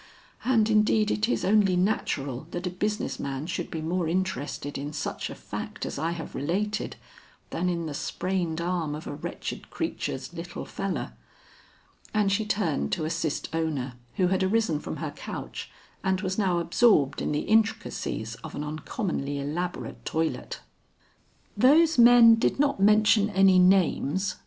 And indeed it is only natural that a business man should be more interested in such a fact as I have related, than in the sprained arm of a wretched creature's 'little feller.'" And she turned to assist Ona, who had arisen from her couch and was now absorbed in the intricacies of an uncommonly elaborate toilet. "Those men did not mention any names?"